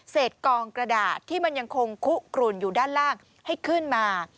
กองกระดาษที่มันยังคงคุกรุ่นอยู่ด้านล่างให้ขึ้นมา